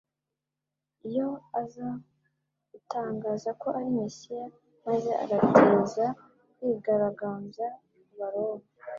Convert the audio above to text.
Iyo aza gutangaza ko ari Mesiya, maze agateza kwigaragambya ku Baroma,